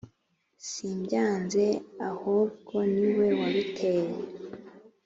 simbyanze ahobwo niwe wabiteye